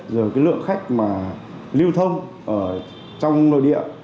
rồi cái lượng khách mà lưu thông ở trong nội địa